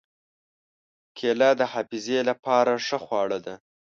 کېله د حافظې له پاره ښه خواړه ده.